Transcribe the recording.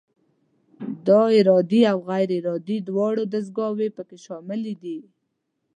دا ارادي او غیر ارادي دواړه دستګاوې پکې شاملې دي.